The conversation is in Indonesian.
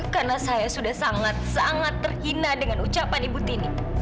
karena saya sudah sangat sangat terhina dengan ucapan ibu tini